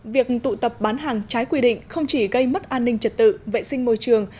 việc tụ tập bán hàng trái quy định không chỉ gây mất an ninh trật tự vệ sinh môi trường